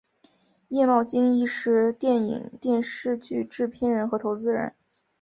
叶茂菁亦是电影电视剧制片人和投资人。